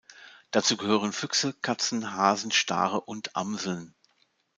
Dazu gehören Füchse, Katzen, Hasen, Stare und Amseln.